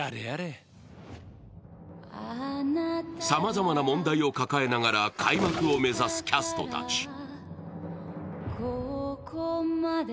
さまざまな問題を抱えながら開幕を目指すキャストたち。